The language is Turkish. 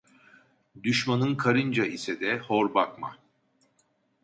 Düşmanın karınca ise de hor bakma.